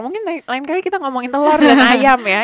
mungkin lain kali kita ngomongin telur dan ayam ya